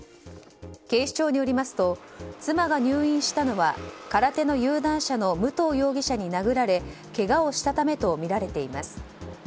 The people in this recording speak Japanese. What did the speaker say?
警視庁によりますと妻が入院したのは空手の有段者の武藤容疑者に殴られけがをしたためとみられています。